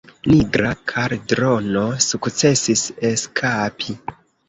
Nigra Kaldrono sukcesis eskapi.